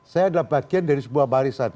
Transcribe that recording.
saya adalah bagian dari sebuah barisan